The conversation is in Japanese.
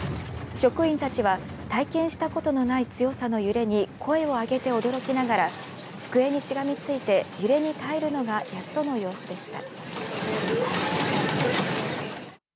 職員たちは体験したことのない強さの揺れに声を上げて驚きながら机にしがみついて揺れに耐えるのがやっとの様子でした。